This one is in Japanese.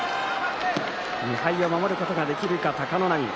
２敗を守ることができるか貴ノ浪。